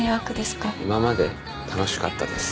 今まで楽しかったです。